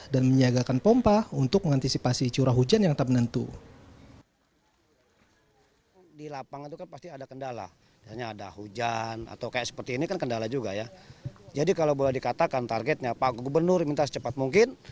dan menyiagakan pompa untuk mengantisipasi curah hujan yang tak menentu